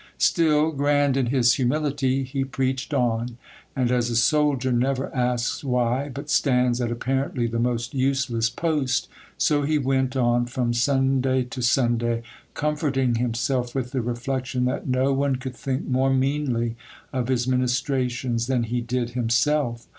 Still, grand in his humility, he preached on,—and as a soldier never asks why, but stands at apparently the most useless post, so he went on from Sunday to Sunday, comforting himself with the reflection that no one could think more meanly of his ministrations than he did himself.